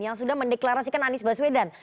yang sudah mendeklarasikan anies baswedan